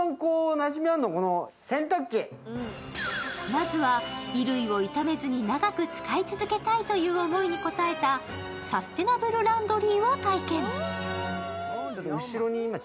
まずは衣類を傷めずに長く使い続けたいという思いに応えたサステナブル・ランドリーを体験。